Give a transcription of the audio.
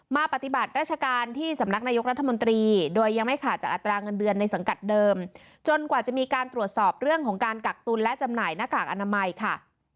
ปฏิบัติราชการที่สำนักนายกรัฐมนตรีโดยยังไม่ขาดจากอัตราเงินเดือนในสังกัดเดิมจนกว่าจะมีการตรวจสอบเรื่องของการกักตุลและจำหน่ายหน้ากากอนามัยค่ะ